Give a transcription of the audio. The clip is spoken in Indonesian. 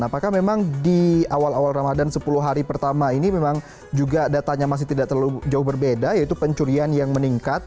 apakah memang di awal awal ramadan sepuluh hari pertama ini memang juga datanya masih tidak terlalu jauh berbeda yaitu pencurian yang meningkat